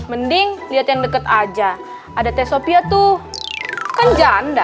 mending lihat yang deket aja ada tes sopia tuh kan janda